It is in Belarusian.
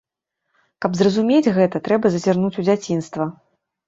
Каб зразумець гэта, трэба зазірнуць у дзяцінства.